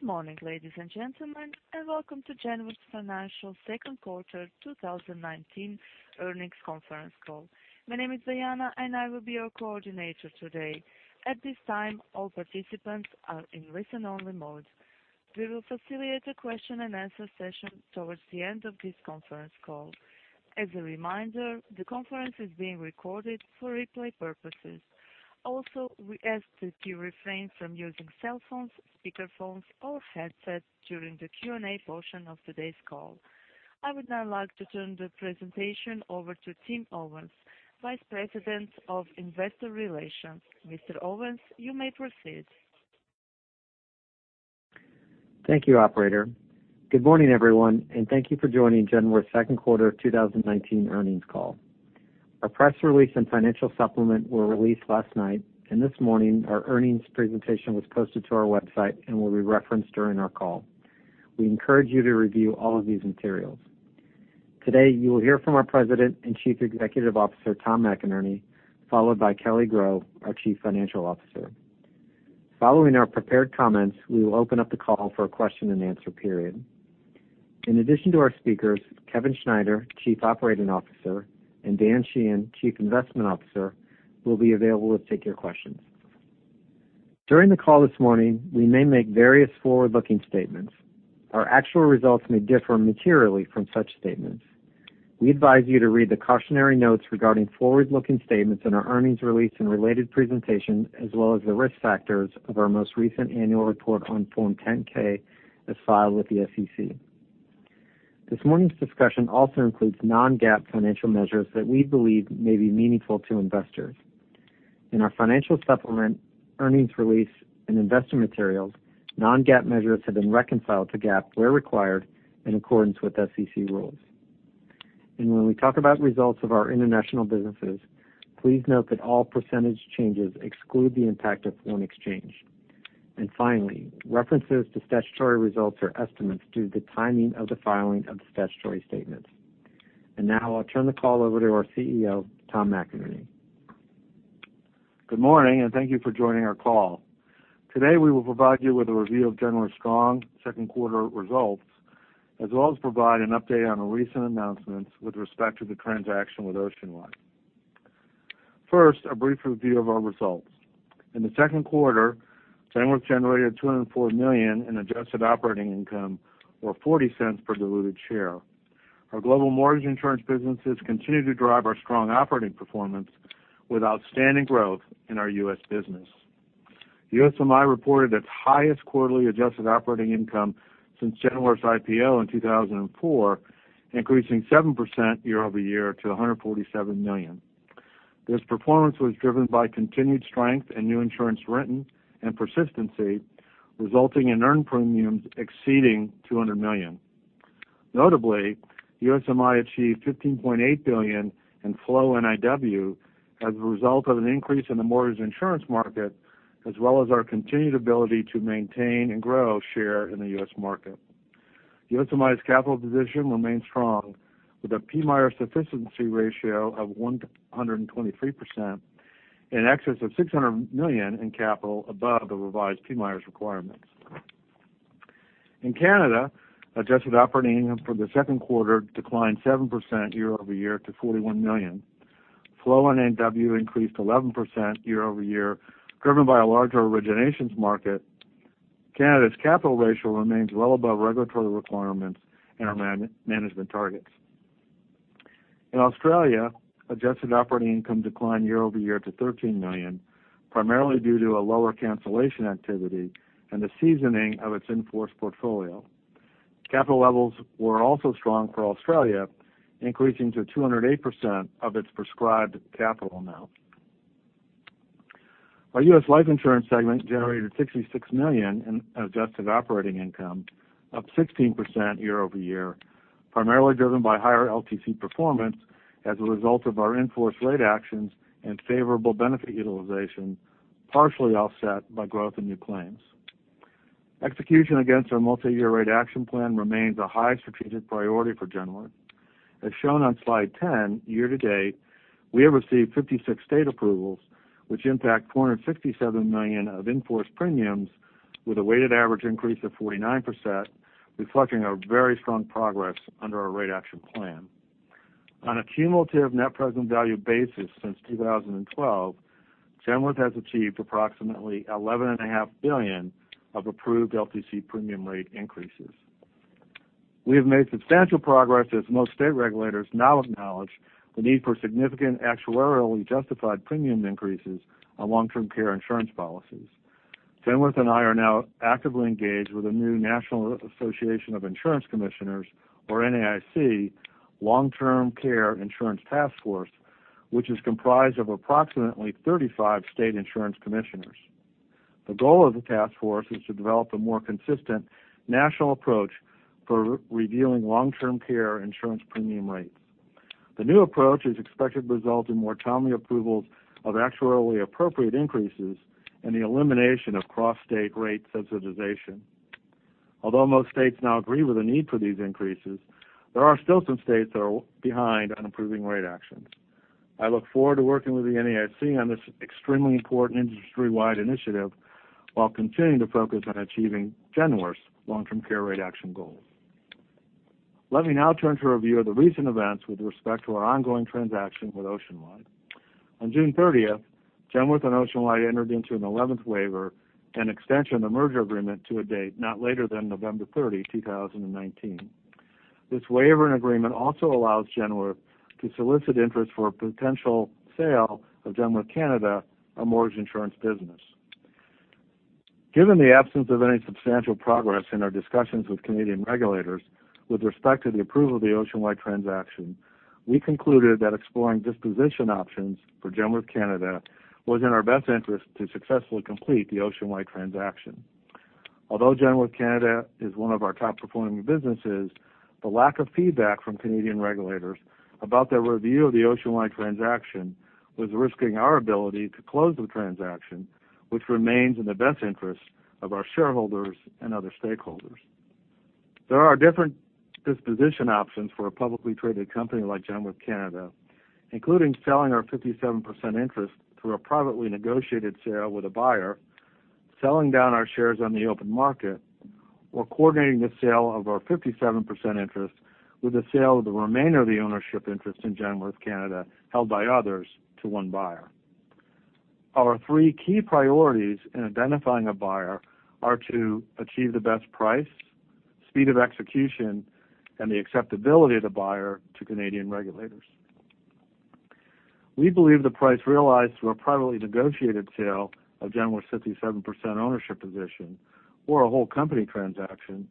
Good morning, ladies and gentlemen, welcome to Genworth Financial second quarter 2019 earnings conference call. My name is Diana, I will be your coordinator today. At this time, all participants are in listen-only mode. We will facilitate a question-and-answer session towards the end of this conference call. As a reminder, the conference is being recorded for replay purposes. We ask that you refrain from using cell phones, speakerphones, or headsets during the Q&A portion of today's call. I would now like to turn the presentation over to Tim Owens, Vice President of Investor Relations. Mr. Owens, you may proceed. Thank you, operator. Good morning, everyone, and thank you for joining Genworth's second quarter 2019 earnings call. Our press release and financial supplement were released last night. This morning, our earnings presentation was posted to our website and will be referenced during our call. We encourage you to review all of these materials. Today, you will hear from our President and Chief Executive Officer, Tom McInerney, followed by Kelly Groh, our Chief Financial Officer. Following our prepared comments, we will open up the call for a question-and-answer period. In addition to our speakers, Kevin Schneider, Chief Operating Officer, and Dan Sheehan, Chief Investment Officer, will be available to take your questions. During the call this morning, we may make various forward-looking statements. Our actual results may differ materially from such statements. We advise you to read the cautionary notes regarding forward-looking statements in our earnings release and related presentation, as well as the risk factors of our most recent annual report on Form 10-K as filed with the SEC. This morning's discussion also includes non-GAAP financial measures that we believe may be meaningful to investors. In our financial supplement, earnings release, and investor materials, non-GAAP measures have been reconciled to GAAP where required in accordance with SEC rules. When we talk about results of our international businesses, please note that all % changes exclude the impact of foreign exchange. Finally, references to statutory results are estimates due to the timing of the filing of the statutory statements. Now I'll turn the call over to our CEO, Tom McInerney. Good morning, and thank you for joining our call. Today, we will provide you with a review of Genworth's strong second quarter results, as well as provide an update on our recent announcements with respect to the transaction with Oceanwide. First, a brief review of our results. In the second quarter, Genworth generated $204 million in adjusted operating income, or $0.40 per diluted share. Our global mortgage insurance businesses continue to drive our strong operating performance with outstanding growth in our U.S. business. USMI reported its highest quarterly adjusted operating income since Genworth's IPO in 2004, increasing 7% year-over-year to $147 million. This performance was driven by continued strength in new insurance written and persistency, resulting in earned premiums exceeding $200 million. Notably, USMI achieved $15.8 billion in flow NIW as a result of an increase in the mortgage insurance market, as well as our continued ability to maintain and grow share in the US market. USMI's capital position remains strong with a PMIER sufficiency ratio of 123%, in excess of $600 million in capital above the revised PMIERs requirements. In Canada, adjusted operating income for the second quarter declined 7% year-over-year to $41 million. Flow NIW increased 11% year-over-year, driven by a larger originations market. Canada's capital ratio remains well above regulatory requirements and our management targets. In Australia, adjusted operating income declined year-over-year to $13 million, primarily due to a lower cancellation activity and the seasoning of its in-force portfolio. Capital levels were also strong for Australia, increasing to 208% of its prescribed capital amount. Our U.S. life insurance segment generated $66 million in adjusted operating income, up 16% year-over-year, primarily driven by higher LTC performance as a result of our in-force rate actions and favorable benefit utilization, partially offset by growth in new claims. Execution against our multi-year rate action plan remains a high strategic priority for Genworth. As shown on slide 10, year-to-date, we have received 56 state approvals, which impact $467 million of in-force premiums with a weighted average increase of 49%, reflecting our very strong progress under our rate action plan. On a cumulative net present value basis since 2012, Genworth has achieved approximately $11.5 billion of approved LTC premium rate increases. We have made substantial progress as most state regulators now acknowledge the need for significant actuarially justified premium increases on long-term care insurance policies. Genworth and I are now actively engaged with a new National Association of Insurance Commissioners, or NAIC, Long-Term Care Insurance Task Force, which is comprised of approximately 35 state insurance commissioners. The goal of the task force is to develop a more consistent national approach for reviewing long-term care insurance premium rates. The new approach is expected to result in more timely approvals of actuarially appropriate increases and the elimination of cross-state rate subsidization. Most states now agree with the need for these increases, there are still some states that are behind on improving rate actions. I look forward to working with the NAIC on this extremely important industry-wide initiative while continuing to focus on achieving Genworth's long-term care rate action goals. Let me now turn to a review of the recent events with respect to our ongoing transaction with Oceanwide. On June 30th, Genworth and Oceanwide entered into an 11th waiver and extension of the merger agreement to a date not later than November 30, 2019. This waiver and agreement also allows Genworth to solicit interest for a potential sale of Genworth Canada, our mortgage insurance business. Given the absence of any substantial progress in our discussions with Canadian regulators with respect to the approval of the Oceanwide transaction, we concluded that exploring disposition options for Genworth Canada was in our best interest to successfully complete the Oceanwide transaction. Although Genworth Canada is one of our top-performing businesses, the lack of feedback from Canadian regulators about their review of the Oceanwide transaction was risking our ability to close the transaction, which remains in the best interest of our shareholders and other stakeholders. There are different disposition options for a publicly traded company like Genworth Canada, including selling our 57% interest through a privately negotiated sale with a buyer, selling down our shares on the open market, or coordinating the sale of our 57% interest with the sale of the remainder of the ownership interest in Genworth Canada held by others to one buyer. Our three key priorities in identifying a buyer are to achieve the best price, speed of execution, and the acceptability of the buyer to Canadian regulators. We believe the price realized through a privately negotiated sale of Genworth's 57% ownership position or a whole company transaction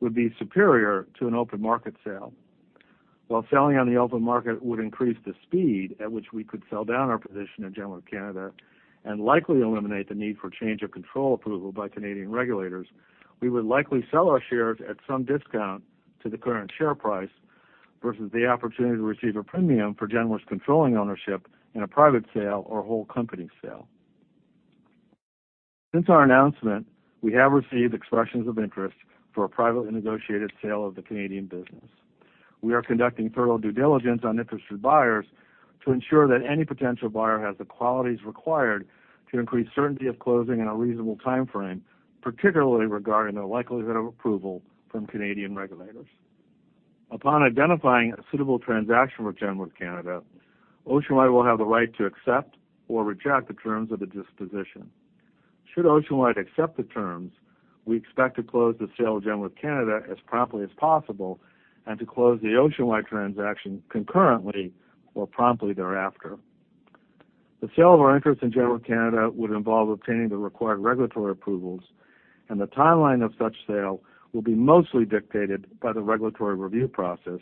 would be superior to an open market sale. While selling on the open market would increase the speed at which we could sell down our position at Genworth Canada and likely eliminate the need for change of control approval by Canadian regulators, we would likely sell our shares at some discount to the current share price versus the opportunity to receive a premium for Genworth's controlling ownership in a private sale or whole company sale. Since our announcement, we have received expressions of interest for a privately negotiated sale of the Canadian business. We are conducting thorough due diligence on interested buyers to ensure that any potential buyer has the qualities required to increase certainty of closing in a reasonable timeframe, particularly regarding the likelihood of approval from Canadian regulators. Upon identifying a suitable transaction with Genworth Canada, Oceanwide will have the right to accept or reject the terms of the disposition. Should Oceanwide accept the terms, we expect to close the sale of Genworth Canada as promptly as possible and to close the Oceanwide transaction concurrently or promptly thereafter. The sale of our interest in Genworth Canada would involve obtaining the required regulatory approvals, and the timeline of such sale will be mostly dictated by the regulatory review process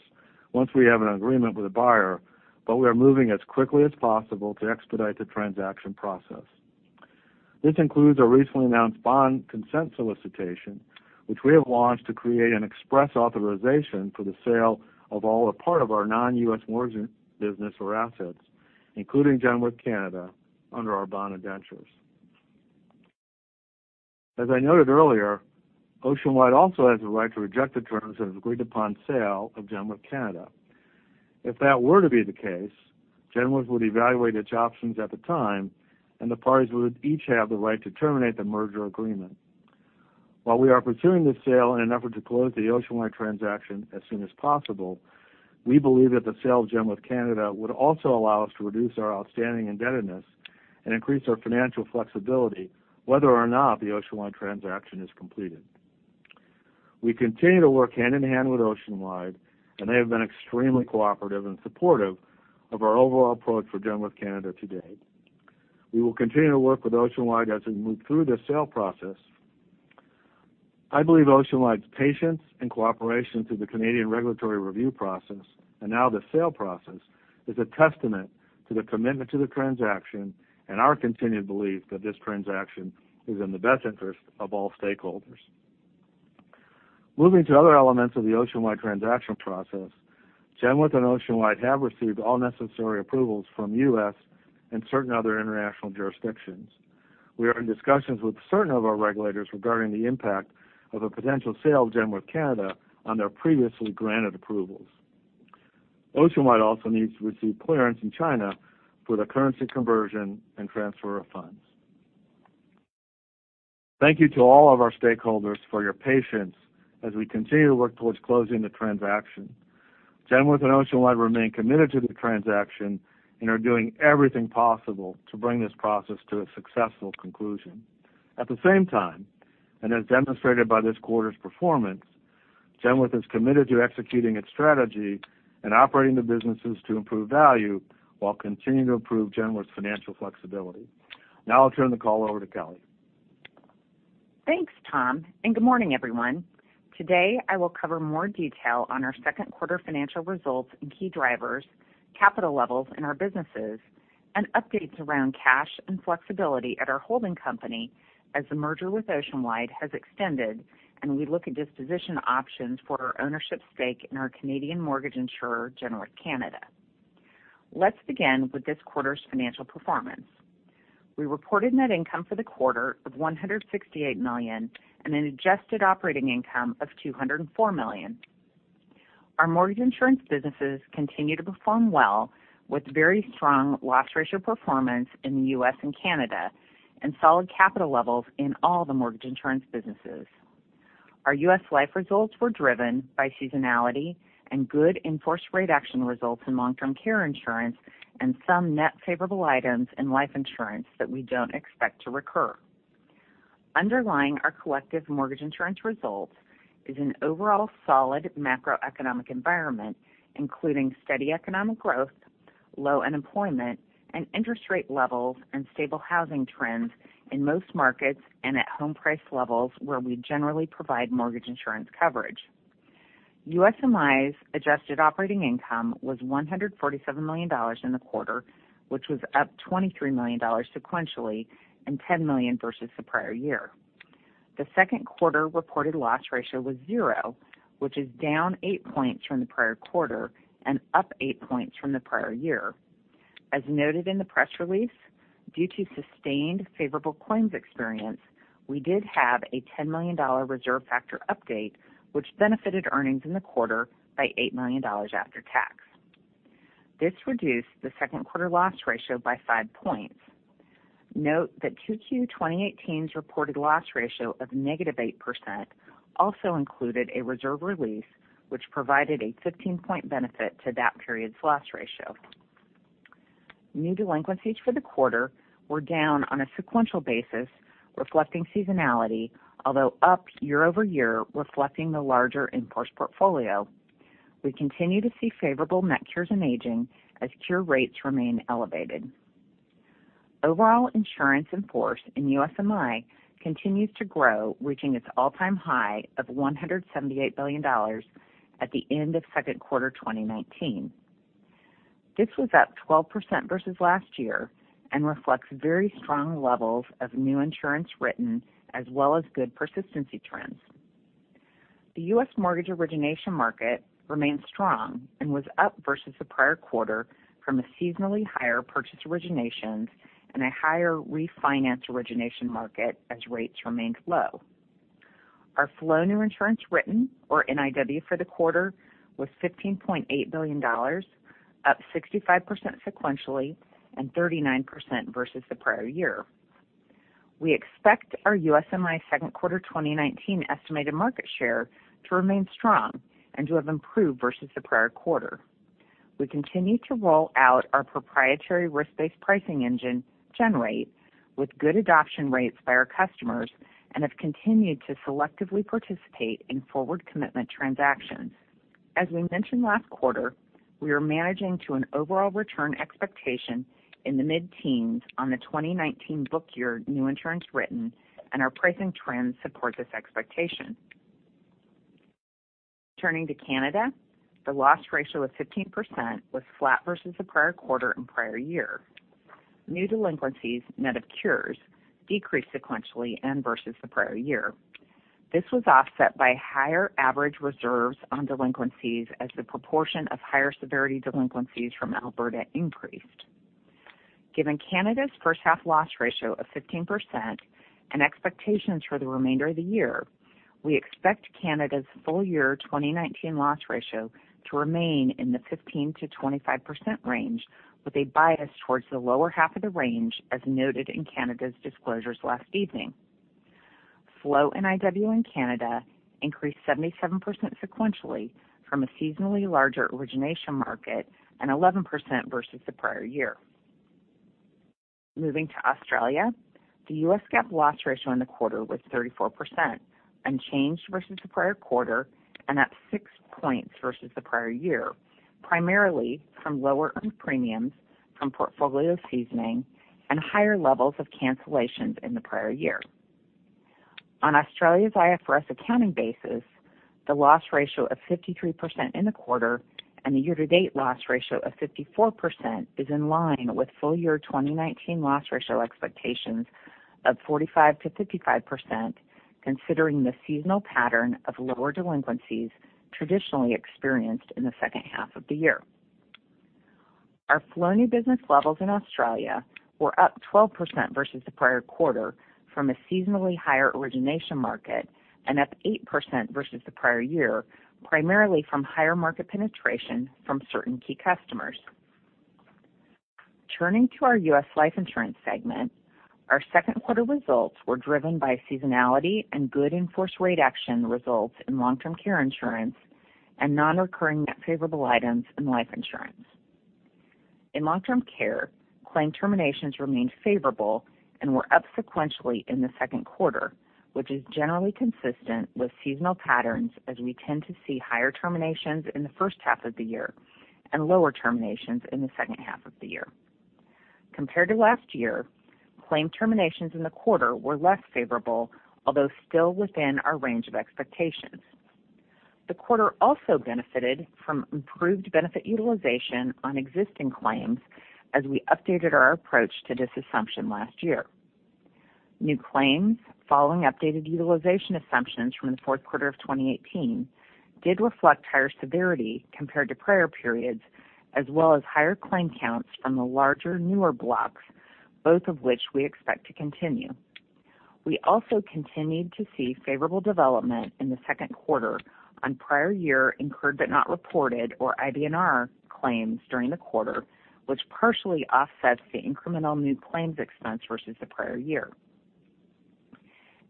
once we have an agreement with a buyer, but we are moving as quickly as possible to expedite the transaction process. This includes a recently announced bond consent solicitation, which we have launched to create an express authorization for the sale of all or part of our non-U.S. mortgage business or assets, including Genworth Canada, under our bond indentures. As I noted earlier, Oceanwide also has the right to reject the terms of the agreed-upon sale of Genworth Canada. If that were to be the case, Genworth would evaluate its options at the time, and the parties would each have the right to terminate the merger agreement. While we are pursuing this sale in an effort to close the Oceanwide transaction as soon as possible, we believe that the sale of Genworth Canada would also allow us to reduce our outstanding indebtedness and increase our financial flexibility, whether or not the Oceanwide transaction is completed. We continue to work hand-in-hand with Oceanwide, and they have been extremely cooperative and supportive of our overall approach for Genworth Canada to date. We will continue to work with Oceanwide as we move through the sale process. I believe Oceanwide's patience and cooperation through the Canadian regulatory review process, and now the sale process, is a testament to the commitment to the transaction and our continued belief that this transaction is in the best interest of all stakeholders. Moving to other elements of the Oceanwide transaction process, Genworth and Oceanwide have received all necessary approvals from U.S. and certain other international jurisdictions. We are in discussions with certain of our regulators regarding the impact of a potential sale of Genworth Canada on their previously granted approvals. Oceanwide also needs to receive clearance in China for the currency conversion and transfer of funds. Thank you to all of our stakeholders for your patience as we continue to work towards closing the transaction. Genworth and Oceanwide remain committed to the transaction and are doing everything possible to bring this process to a successful conclusion. At the same time, and as demonstrated by this quarter's performance, Genworth is committed to executing its strategy and operating the businesses to improve value while continuing to improve Genworth's financial flexibility. Now I'll turn the call over to Kelly. Thanks, Tom. Good morning, everyone. Today, I will cover more detail on our second quarter financial results and key drivers, capital levels in our businesses, and updates around cash and flexibility at our holding company as the merger with Oceanwide has extended and we look at disposition options for our ownership stake in our Canadian mortgage insurer, Genworth Canada. Let's begin with this quarter's financial performance. We reported net income for the quarter of $168 million and an adjusted operating income of $204 million. Our mortgage insurance businesses continue to perform well, with very strong loss ratio performance in the U.S. and Canada and solid capital levels in all the mortgage insurance businesses. Our U.S. Life results were driven by seasonality and good in-force rate action results in Long-Term Care insurance and some net favorable items in life insurance that we don't expect to recur. Underlying our collective mortgage insurance results is an overall solid macroeconomic environment, including steady economic growth, low unemployment and interest rate levels, and stable housing trends in most markets and at home price levels where we generally provide mortgage insurance coverage. USMI's adjusted operating income was $147 million in the quarter, which was up $23 million sequentially and $10 million versus the prior year. The second quarter reported loss ratio was zero, which is down eight points from the prior quarter and up eight points from the prior year. As noted in the press release, due to sustained favorable claims experience, we did have a $10 million reserve factor update, which benefited earnings in the quarter by $8 million after tax. This reduced the second quarter loss ratio by five points. Note that 2Q 2018's reported loss ratio of -8% also included a reserve release, which provided a 15-point benefit to that period's loss ratio. New delinquencies for the quarter were down on a sequential basis, reflecting seasonality, although up year-over-year, reflecting the larger in-force portfolio. We continue to see favorable net cures and aging as cure rates remain elevated. Overall insurance in-force in USMI continues to grow, reaching its all-time high of $178 billion at the end of second quarter 2019. This was up 12% versus last year and reflects very strong levels of new insurance written as well as good persistency trends. The U.S. mortgage origination market remains strong and was up versus the prior quarter from a seasonally higher purchase origination and a higher refinance origination market as rates remained low. Our flow new insurance written, or NIW, for the quarter was $15.8 billion, up 65% sequentially and 39% versus the prior year. We expect our USMI second quarter 2019 estimated market share to remain strong and to have improved versus the prior quarter. We continue to roll out our proprietary risk-based pricing engine, GenRATE, with good adoption rates by our customers and have continued to selectively participate in forward commitment transactions. As we mentioned last quarter, we are managing to an overall return expectation in the mid-teens on the 2019 book year new insurance written, and our pricing trends support this expectation. Turning to Canada, the loss ratio of 15% was flat versus the prior quarter and prior year. New delinquencies, net of cures, decreased sequentially and versus the prior year. This was offset by higher average reserves on delinquencies as the proportion of higher-severity delinquencies from Alberta increased. Given Canada's first half loss ratio of 15% and expectations for the remainder of the year, we expect Canada's full year 2019 loss ratio to remain in the 15%-25% range, with a bias towards the lower half of the range, as noted in Canada's disclosures last evening. Flow NIW in Canada increased 77% sequentially from a seasonally larger origination market and 11% versus the prior year. Moving to Australia, the US GAAP loss ratio in the quarter was 34%, unchanged versus the prior quarter and up six points versus the prior year, primarily from lower earned premiums from portfolio seasoning and higher levels of cancellations in the prior year. On Australia's IFRS accounting basis, the loss ratio of 53% in the quarter and the year-to-date loss ratio of 54% is in line with full year 2019 loss ratio expectations of 45%-55%, considering the seasonal pattern of lower delinquencies traditionally experienced in the second half of the year. Our flow new business levels in Australia were up 12% versus the prior quarter from a seasonally higher origination market and up 8% versus the prior year, primarily from higher market penetration from certain key customers. Turning to our U.S. Life Insurance segment, our second quarter results were driven by seasonality and good in-force rate action results in Long-Term Care insurance and non-recurring net favorable items in life insurance. In long-term care, claim terminations remained favorable and were up sequentially in the second quarter, which is generally consistent with seasonal patterns, as we tend to see higher terminations in the first half of the year and lower terminations in the second half of the year. Compared to last year, claim terminations in the quarter were less favorable, although still within our range of expectations. The quarter also benefited from improved benefit utilization on existing claims as we updated our approach to this assumption last year. New claims following updated utilization assumptions from the fourth quarter of 2018 did reflect higher severity compared to prior periods as well as higher claim counts from the larger, newer blocks, both of which we expect to continue. We also continued to see favorable development in the second quarter on prior year incurred but not reported, or IBNR, claims during the quarter, which partially offsets the incremental new claims expense versus the prior year.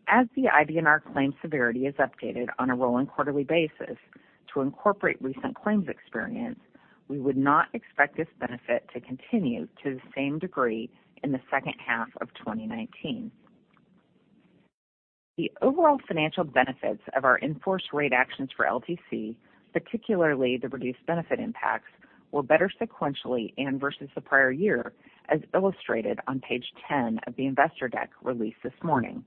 As the IBNR claims severity is updated on a rolling quarterly basis to incorporate recent claims experience, we would not expect this benefit to continue to the same degree in the second half of 2019. The overall financial benefits of our in-force rate actions for LTC, particularly the reduced benefit impacts, were better sequentially and versus the prior year, as illustrated on page 10 of the investor deck released this morning.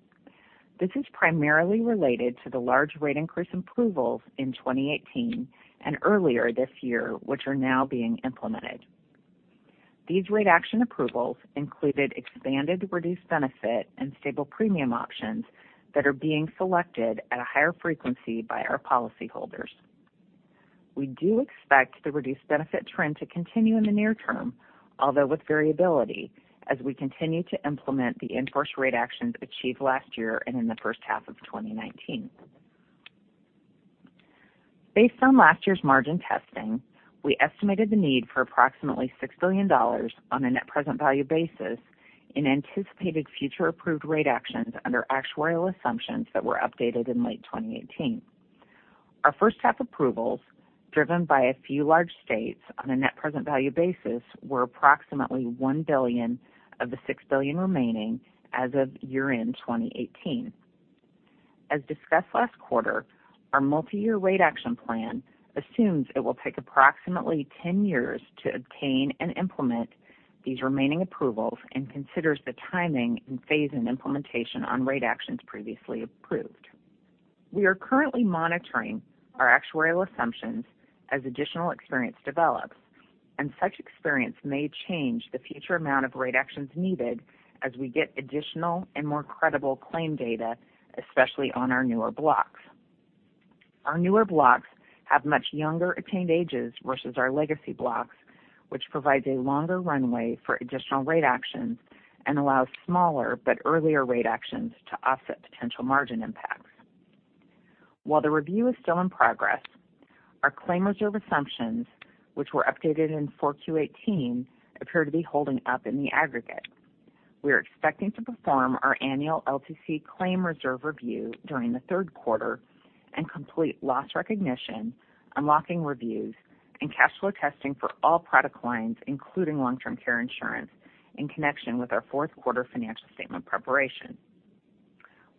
This is primarily related to the large rate increase approvals in 2018 and earlier this year, which are now being implemented. These rate action approvals included expanded reduced benefit and stable premium options that are being selected at a higher frequency by our policyholders. We do expect the reduced benefit trend to continue in the near term, although with variability, as we continue to implement the in-force rate actions achieved last year and in the first half of 2019. Based on last year's margin testing, we estimated the need for approximately $6 billion on a net present value basis in anticipated future approved rate actions under actuarial assumptions that were updated in late 2018. Our first half approvals, driven by a few large states on a net present value basis, were approximately $1 billion of the $6 billion remaining as of year-end 2018. As discussed last quarter, our multi-year rate action plan assumes it will take approximately 10 years to obtain and implement these remaining approvals and considers the timing and phasing implementation on rate actions previously approved. We are currently monitoring our actuarial assumptions as additional experience develops, and such experience may change the future amount of rate actions needed as we get additional and more credible claim data, especially on our newer blocks. Our newer blocks have much younger attained ages versus our legacy blocks, which provides a longer runway for additional rate actions and allows smaller but earlier rate actions to offset potential margin impacts. While the review is still in progress, our claim reserve assumptions, which were updated in 4Q18, appear to be holding up in the aggregate. We are expecting to perform our annual LTC claim reserve review during the third quarter and complete loss recognition, unlocking reviews, and cash flow testing for all product lines, including long-term care insurance, in connection with our fourth quarter financial statement preparation.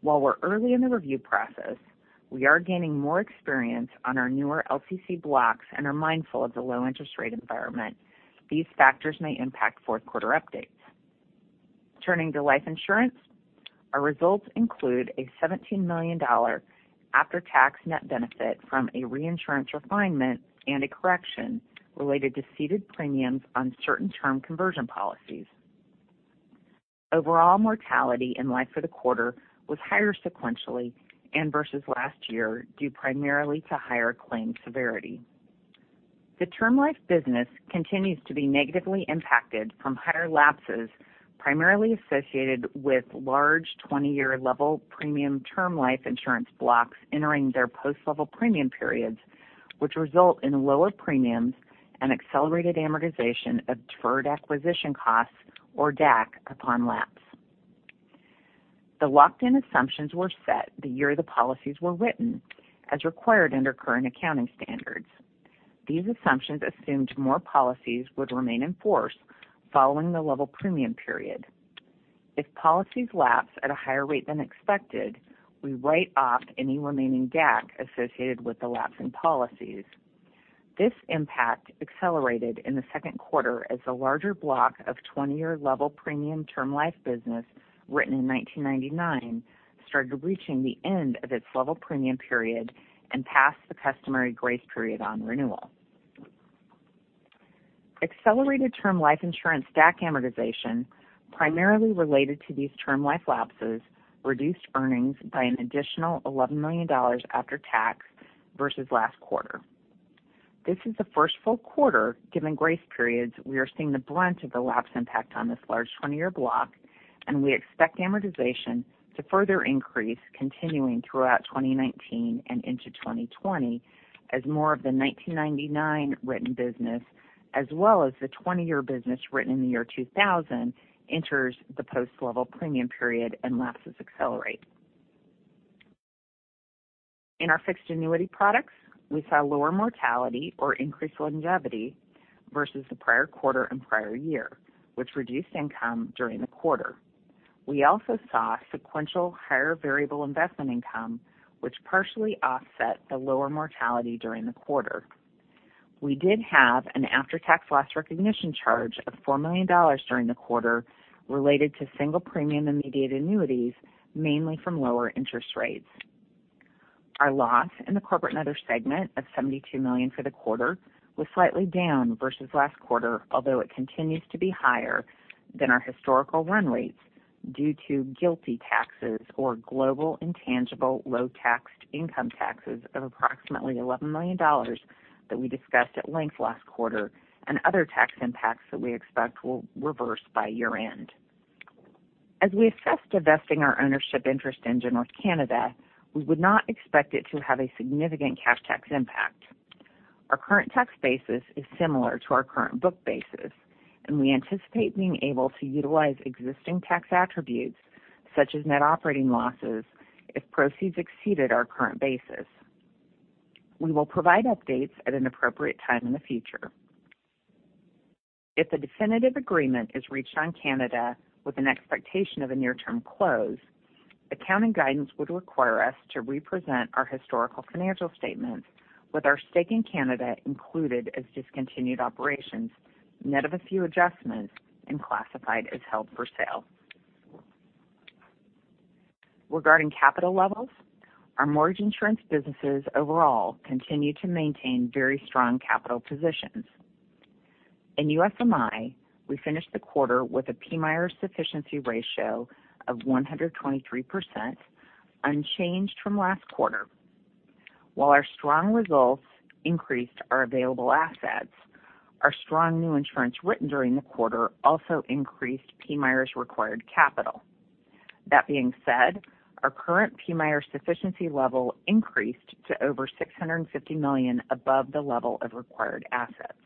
While we're early in the review process, we are gaining more experience on our newer LTC blocks and are mindful of the low interest rate environment. These factors may impact fourth quarter updates. Turning to life insurance, our results include a $17 million after-tax net benefit from a reinsurance refinement and a correction related to ceded premiums on certain term conversion policies. Overall mortality in life for the quarter was higher sequentially and versus last year due primarily to higher claim severity. The term life business continues to be negatively impacted from higher lapses, primarily associated with large 20-year level premium term life insurance blocks entering their post-level premium periods, which result in lower premiums and accelerated amortization of deferred acquisition costs, or DAC, upon lapse. The locked-in assumptions were set the year the policies were written, as required under current accounting standards. These assumptions assumed more policies would remain in force following the level premium period. If policies lapse at a higher rate than expected, we write off any remaining DAC associated with the lapsing policies. This impact accelerated in the second quarter as the larger block of 20-year level premium term life business written in 1999 started reaching the end of its level premium period and passed the customary grace period on renewal. Accelerated term life insurance DAC amortization, primarily related to these term life lapses, reduced earnings by an additional $11 million after tax versus last quarter. This is the first full quarter, given grace periods, we are seeing the brunt of the lapse impact on this large 20-year block, and we expect amortization to further increase continuing throughout 2019 and into 2020 as more of the 1999 written business, as well as the 20-year business written in the year 2000, enters the post-level premium period and lapses accelerate. In our fixed annuity products, we saw lower mortality or increased longevity versus the prior quarter and prior year, which reduced income during the quarter. We also saw sequential higher variable investment income, which partially offset the lower mortality during the quarter. We did have an after-tax loss recognition charge of $4 million during the quarter related to single premium immediate annuities, mainly from lower interest rates. Our loss in the Corporate and Other segment of $72 million for the quarter was slightly down versus last quarter, although it continues to be higher than our historical run rates due to GILTI taxes, or global intangible low taxed income taxes, of approximately $11 million that we discussed at length last quarter and other tax impacts that we expect will reverse by year-end. As we assess divesting our ownership interest in Genworth Canada, we would not expect it to have a significant cash tax impact. We anticipate being able to utilize existing tax attributes such as net operating losses if proceeds exceeded our current basis. We will provide updates at an appropriate time in the future. If a definitive agreement is reached on Canada with an expectation of a near-term close, accounting guidance would require us to represent our historical financial statements with our stake in Canada included as discontinued operations, net of a few adjustments and classified as held for sale. Regarding capital levels, our mortgage insurance businesses overall continue to maintain very strong capital positions. In USMI, we finished the quarter with a PMIER sufficiency ratio of 123%, unchanged from last quarter. While our strong results increased our available assets, our strong new insurance written during the quarter also increased PMIER's required capital. That being said, our current PMIER sufficiency level increased to over $650 million above the level of required assets.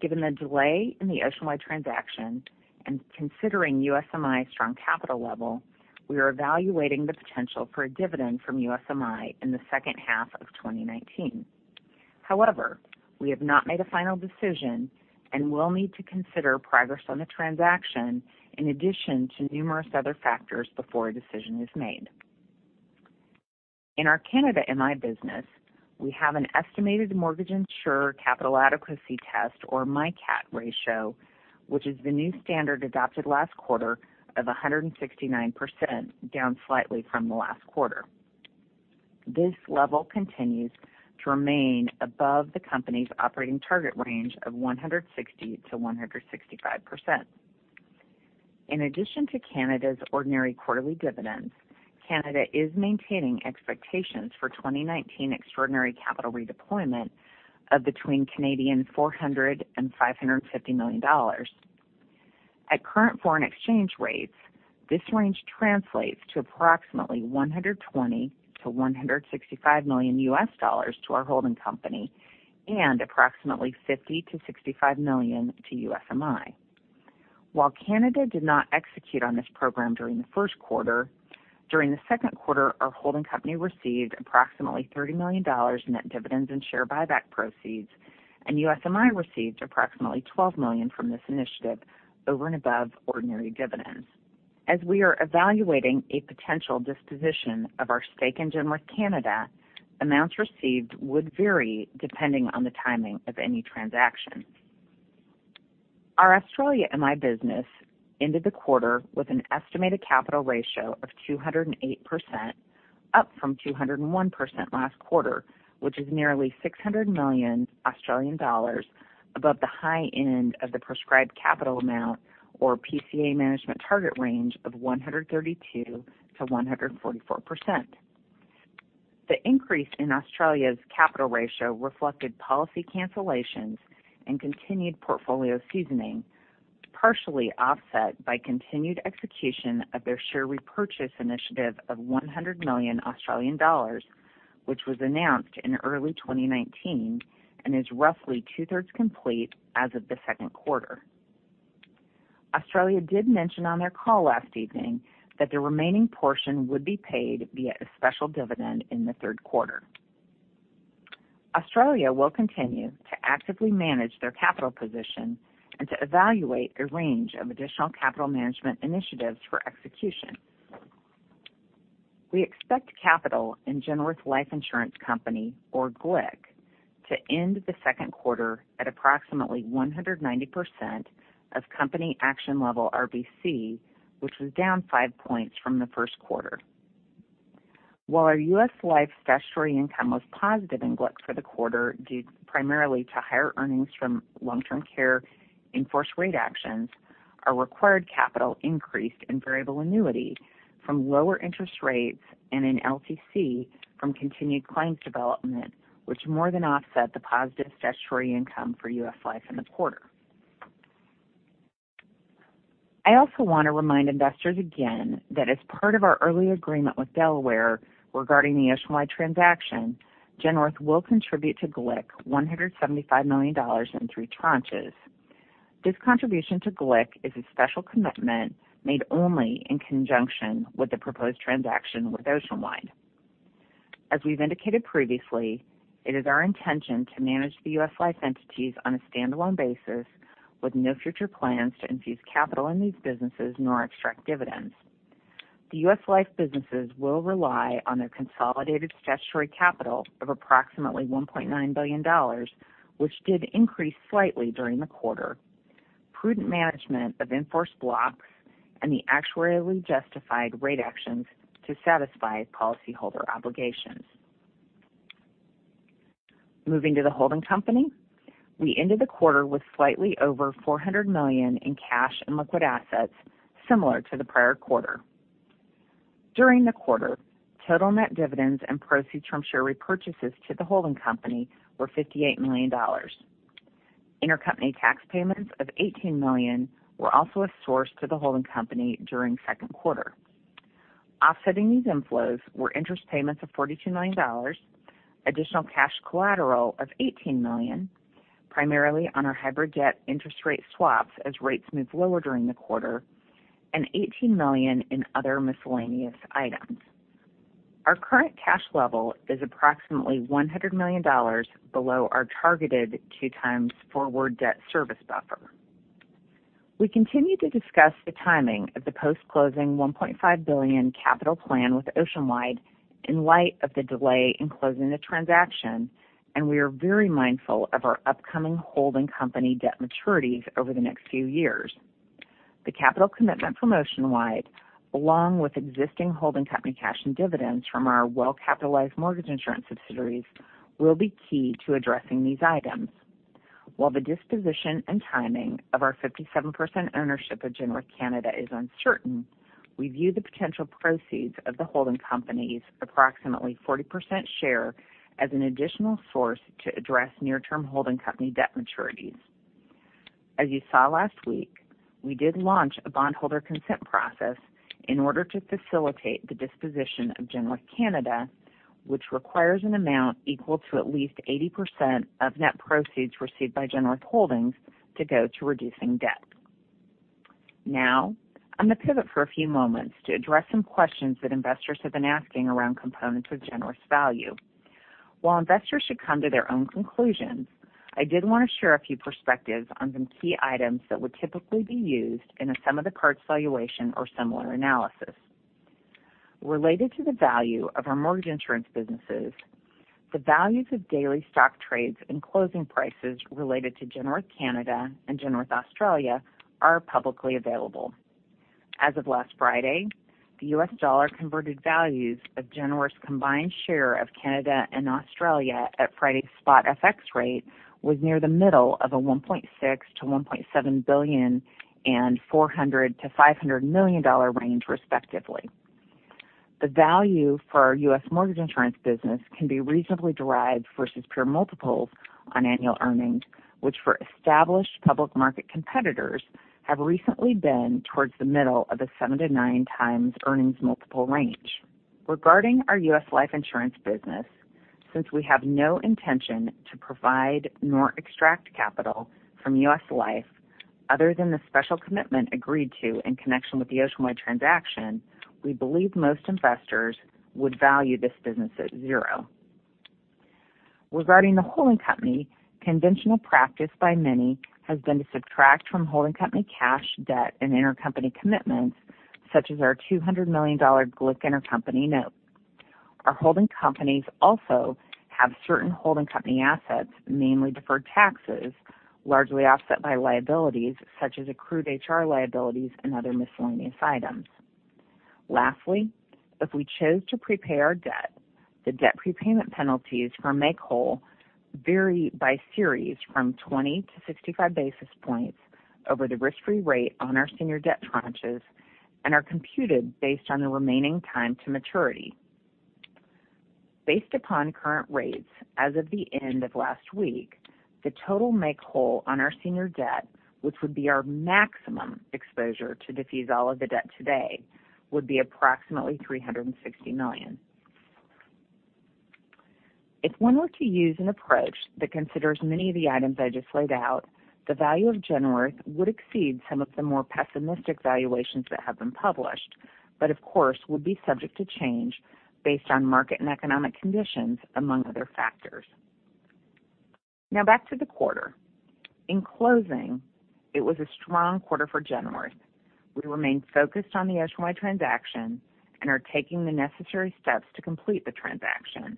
Given the delay in the Oceanwide transaction and considering USMI's strong capital level, we are evaluating the potential for a dividend from USMI in the second half of 2019. However, we have not made a final decision and will need to consider progress on the transaction in addition to numerous other factors before a decision is made. In our Canada MI business, we have an estimated mortgage insurer capital adequacy test, or MICAT ratio, which is the new standard adopted last quarter of 169%, down slightly from the last quarter. This level continues to remain above the company's operating target range of 160%-165%. In addition to Canada's ordinary quarterly dividends, Canada is maintaining expectations for 2019 extraordinary capital redeployment of between CDN$400 and $550 million. At current foreign exchange rates, this range translates to approximately $120 million-$165 million to our holding company and approximately $50 million-$65 million to USMI. While Canada did not execute on this program during the first quarter, during the second quarter, our holding company received approximately $30 million net dividends and share buyback proceeds, and USMI received approximately $12 million from this initiative over and above ordinary dividends. As we are evaluating a potential disposition of our stake in Genworth Canada, amounts received would vary depending on the timing of any transaction. Our Australia MI business ended the quarter with an estimated capital ratio of 208%, up from 201% last quarter, which is nearly 600 million Australian dollars above the high end of the prescribed capital amount or PCA management target range of 132%-144%. The increase in Australia's capital ratio reflected policy cancellations and continued portfolio seasoning, partially offset by continued execution of their share repurchase initiative of 100 million Australian dollars, which was announced in early 2019 and is roughly two-thirds complete as of the second quarter. Australia did mention on their call last evening that the remaining portion would be paid via a special dividend in the third quarter. Australia will continue to actively manage their capital position and to evaluate a range of additional capital management initiatives for execution. We expect capital in Genworth Life Insurance Company, or GLIC, to end the second quarter at approximately 190% of company action level RBC, which was down five points from the first quarter. While our U.S. Life statutory income was positive in GLIC for the quarter due primarily to higher earnings from long-term care in force rate actions, our required capital increased in variable annuity from lower interest rates and in LTC from continued claims development, which more than offset the positive statutory income for U.S. Life in the quarter. I also want to remind investors again that as part of our early agreement with Delaware regarding the Oceanwide transaction, Genworth will contribute to GLIC $175 million in three tranches. This contribution to GLIC is a special commitment made only in conjunction with the proposed transaction with Oceanwide. As we've indicated previously, it is our intention to manage the U.S. Life entities on a standalone basis with no future plans to infuse capital in these businesses nor extract dividends. The U.S. Life businesses will rely on their consolidated statutory capital of approximately $1.9 billion, which did increase slightly during the quarter. Prudent management of in-force blocks and the actuarially justified rate actions to satisfy policyholder obligations. Moving to the holding company, we ended the quarter with slightly over $400 million in cash and liquid assets, similar to the prior quarter. During the quarter, total net dividends and proceeds from share repurchases to the holding company were $58 million. Intercompany tax payments of $18 million were also a source to the holding company during second quarter. Offsetting these inflows were interest payments of $42 million, additional cash collateral of $18 million, primarily on our hybrid debt interest rate swaps as rates moved lower during the quarter, and $18 million in other miscellaneous items. Our current cash level is approximately $100 million below our targeted two times forward debt service buffer. We continue to discuss the timing of the post-closing $1.5 billion capital plan with Oceanwide in light of the delay in closing the transaction, and we are very mindful of our upcoming holding company debt maturities over the next few years. The capital commitment from Oceanwide, along with existing holding company cash and dividends from our well-capitalized mortgage insurance subsidiaries, will be key to addressing these items. While the disposition and timing of our 57% ownership of Genworth Canada is uncertain, we view the potential proceeds of the holding company's approximately 40% share as an additional source to address near-term holding company debt maturities. As you saw last week, we did launch a bondholder consent process in order to facilitate the disposition of Genworth Canada, which requires an amount equal to at least 80% of net proceeds received by Genworth Holdings to go to reducing debt. Now, I'm going to pivot for a few moments to address some questions that investors have been asking around components of Genworth's value. While investors should come to their own conclusions, I did want to share a few perspectives on some key items that would typically be used in a sum of the parts valuation or similar analysis. Related to the value of our mortgage insurance businesses, the values of daily stock trades and closing prices related to Genworth Canada and Genworth Australia are publicly available. As of last Friday, the U.S. dollar-converted values of Genworth's combined share of Canada and Australia at Friday's spot FX rate was near the middle of a $1.6 billion-$1.7 billion and $400 million-$500 million range, respectively. The value for our U.S. mortgage insurance business can be reasonably derived versus peer multiples on annual earnings, which for established public market competitors have recently been towards the middle of the seven to nine times earnings multiple range. Regarding our U.S. life insurance business, since we have no intention to provide nor extract capital from U.S. Life, other than the special commitment agreed to in connection with the Oceanwide transaction, we believe most investors would value this business at zero. Regarding the holding company, conventional practice by many has been to subtract from holding company cash, debt, and intercompany commitments, such as our $200 million GLIC intercompany note. Our holding companies also have certain holding company assets, namely deferred taxes, largely offset by liabilities such as accrued HR liabilities and other miscellaneous items. Lastly, if we chose to prepay our debt, the debt prepayment penalties for make whole vary by series from 20 to 55 basis points over the risk-free rate on our senior debt tranches and are computed based on the remaining time to maturity. Based upon current rates as of the end of last week, the total make whole on our senior debt, which would be our maximum exposure to defease all of the debt today, would be approximately $360 million. If one were to use an approach that considers many of the items I just laid out, the value of Genworth would exceed some of the more pessimistic valuations that have been published, but of course, would be subject to change based on market and economic conditions, among other factors. Now back to the quarter. In closing, it was a strong quarter for Genworth. We remain focused on the Oceanwide transaction and are taking the necessary steps to complete the transaction.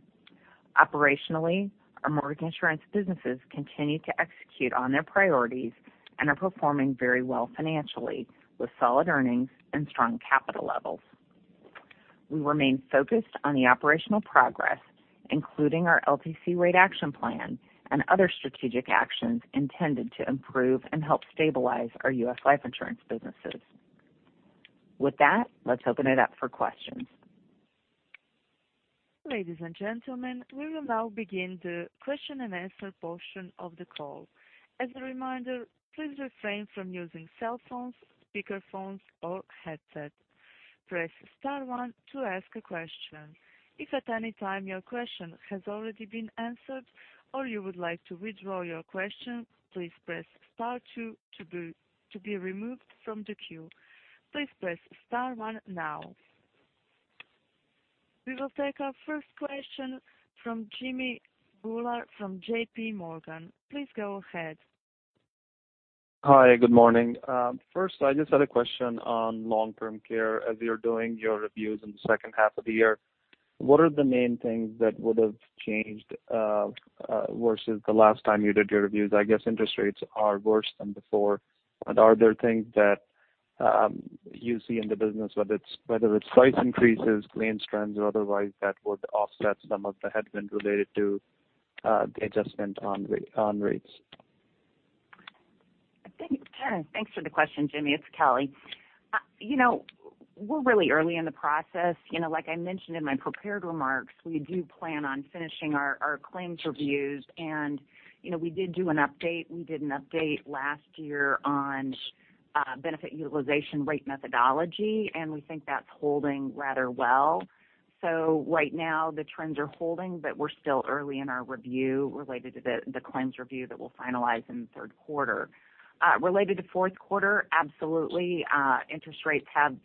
Operationally, our mortgage insurance businesses continue to execute on their priorities and are performing very well financially, with solid earnings and strong capital levels. We remain focused on the operational progress, including our LTC rate action plan and other strategic actions intended to improve and help stabilize our U.S. life insurance businesses. With that, let's open it up for questions. Ladies and gentlemen, we will now begin the question and answer portion of the call. As a reminder, please refrain from using cell phones, speaker phones, or headsets. Press star one to ask a question. If at any time your question has already been answered or you would like to withdraw your question, please press star two to be removed from the queue. Please press star one now. We will take our first question from Jimmy Bhullar from J.P. Morgan. Please go ahead. Hi. Good morning. First, I just had a question on Long-Term Care. As you're doing your reviews in the second half of the year, what are the main things that would've changed versus the last time you did your reviews? I guess interest rates are worse than before, but are there things that you see in the business, whether it's price increases, claims trends, or otherwise that would offset some of the headwind related to the adjustment on rates? Thanks for the question, Jimmy. It's Kelly. We're really early in the process. Like I mentioned in my prepared remarks, we do plan on finishing our claims reviews, and we did do an update. We did an update last year on benefit utilization rate methodology, and we think that's holding rather well. Right now, the trends are holding, but we're still early in our review related to the claims review that we'll finalize in the third quarter. Related to fourth quarter, absolutely, interest rates have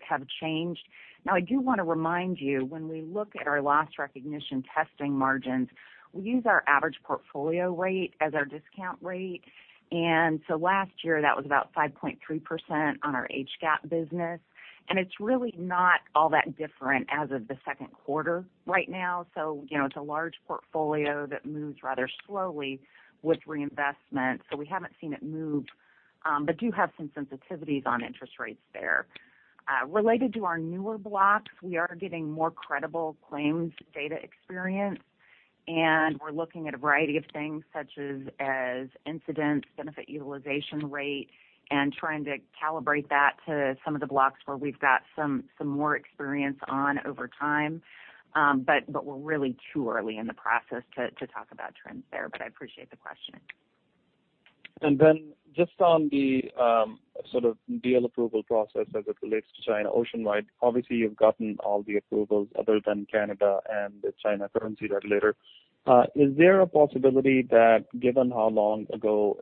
changed. I do want to remind you, when we look at our loss recognition testing margins, we use our average portfolio rate as our discount rate. Last year, that was about 5.3% on our age gap business, and it's really not all that different as of the second quarter right now. It's a large portfolio that moves rather slowly with reinvestment. We haven't seen it move, but do have some sensitivities on interest rates there. Related to our newer blocks, we are getting more credible claims data experience, and we're looking at a variety of things such as incidence, benefit utilization rate, and trying to calibrate that to some of the blocks where we've got some more experience on over time. We're really too early in the process to talk about trends there. I appreciate the question. Then just on the sort of deal approval process as it relates to China Oceanwide, obviously you've gotten all the approvals other than Canada and the China currency regulator. Is there a possibility that given how long ago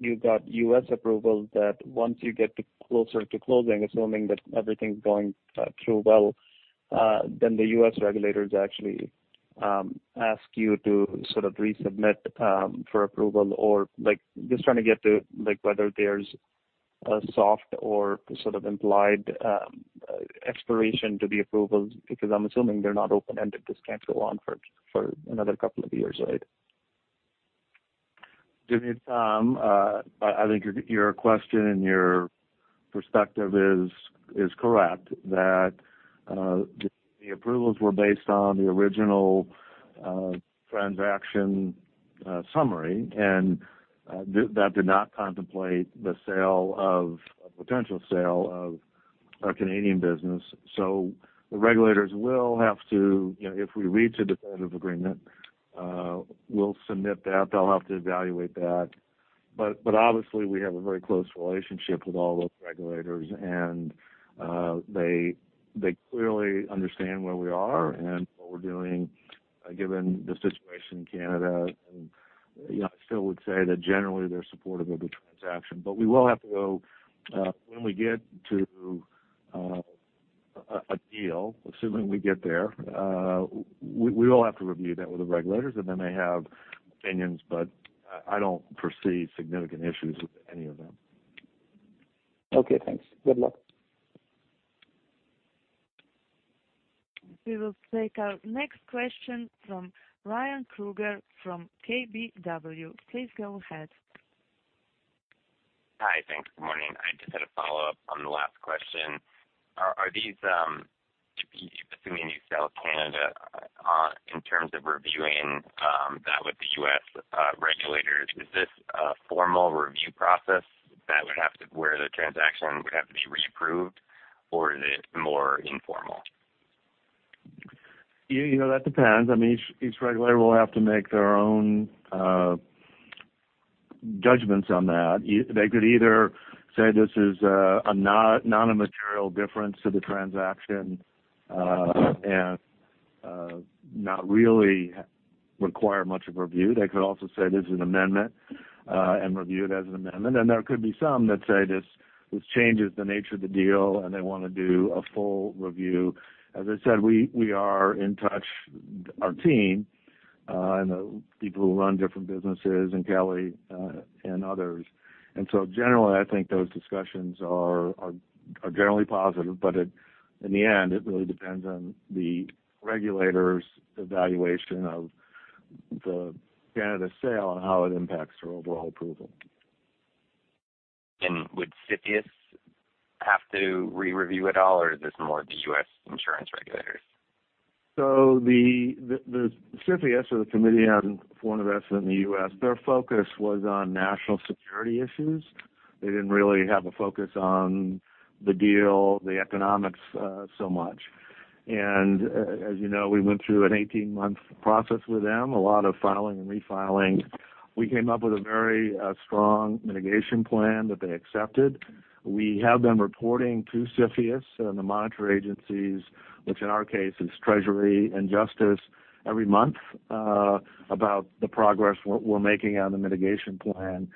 you got U.S. approval, that once you get closer to closing, assuming that everything's going through well, then the U.S. regulators actually ask you to sort of resubmit for approval or like just trying to get to like whether there's a soft or sort of implied expiration to the approvals, because I'm assuming they're not open-ended. This can't go on for another couple of years, right? Jimmy, I think your question and your perspective is correct that the approvals were based on the original transaction summary, and that did not contemplate the potential sale of our Canadian business. The regulators will have to, if we reach a definitive agreement, we'll submit that. They'll have to evaluate that. Obviously we have a very close relationship with all those regulators and they clearly understand where we are and what we're doing given the situation in Canada. I still would say that generally they're supportive of the transaction. We will have to go, when we get to a deal, assuming we get there, we will have to review that with the regulators, and they may have opinions, but I don't foresee significant issues with any of them. Okay, thanks. Good luck. We will take our next question from Ryan Krueger from KBW. Please go ahead. Hi. Thanks. Good morning. I just had a follow-up on the last question. Assuming you sell Canada, in terms of reviewing that with the U.S. regulators, is this a formal review process where the transaction would have to be reapproved, or is it more informal? That depends. Each regulator will have to make their own judgments on that. They could either say this is not a material difference to the transaction, and not really require much of a review. They could also say this is an amendment, and review it as an amendment. There could be some that say this changes the nature of the deal, and they want to do a full review. As I said, we are in touch, our team, and the people who run different businesses, and Kelly, and others. Generally, I think those discussions are generally positive, but in the end, it really depends on the regulator's evaluation of the Canada sale and how it impacts our overall approval. Would CFIUS have to re-review at all, or is this more the U.S. insurance regulators? The CFIUS or the Committee on Foreign Investment in the U.S., their focus was on national security issues. They didn't really have a focus on the deal, the economics so much. As you know, we went through an 18-month process with them, a lot of filing and refiling. We came up with a very strong mitigation plan that they accepted. We have been reporting to CFIUS and the monitor agencies, which in our case is Treasury and Justice, every month about the progress we're making on the mitigation plan.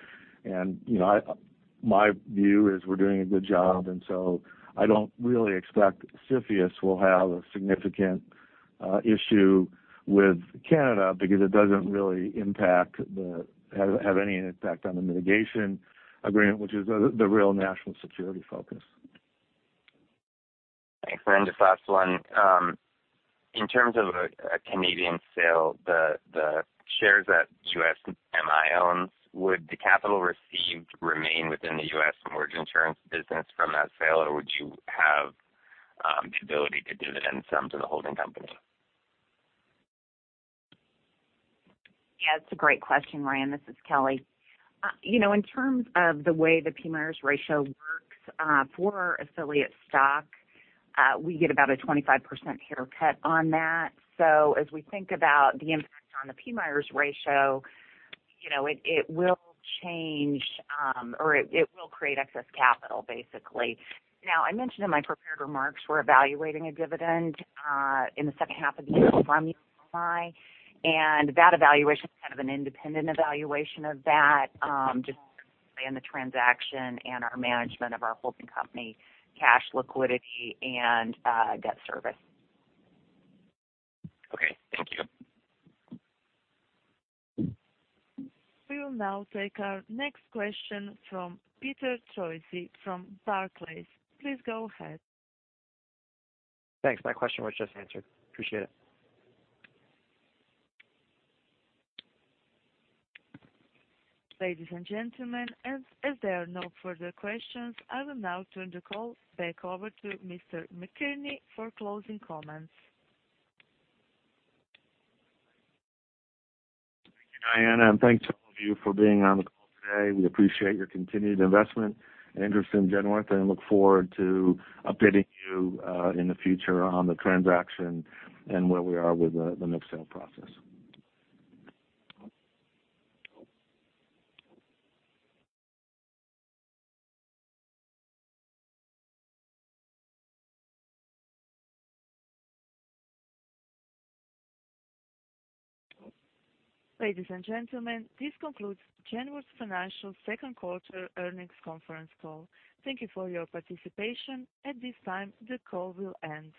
My view is we're doing a good job, and so I don't really expect CFIUS will have a significant issue with Canada because it doesn't really have any impact on the mitigation agreement, which is the real national security focus. Thanks. Just last one. In terms of a Canadian sale, the shares that USMI owns, would the capital received remain within the U.S. mortgage insurance business from that sale? Would you have the ability to dividend some to the holding company? It's a great question, Ryan. This is Kelly. In terms of the way the PMIERs ratio works for affiliate stock, we get about a 25% haircut on that. As we think about the impact on the PMIERs ratio, it will change, or it will create excess capital basically. I mentioned in my prepared remarks we're evaluating a dividend in the second half of the year from MI, and that evaluation is kind of an independent evaluation of that just to plan the transaction and our management of our holding company cash liquidity and debt service. Okay, thank you. We will now take our next question from Peter Choisi from Barclays. Please go ahead. Thanks. My question was just answered. Appreciate it. Ladies and gentlemen, as there are no further questions, I will now turn the call back over to Mr. McInerney for closing comments. Thank you, Diana, and thanks to all of you for being on the call today. We appreciate your continued investment and interest in Genworth and look forward to updating you in the future on the transaction and where we are with the MI sale process. Ladies and gentlemen, this concludes Genworth Financial's second quarter earnings conference call. Thank you for your participation. At this time, the call will end.